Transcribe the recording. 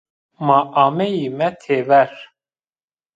Ma ameyîme têver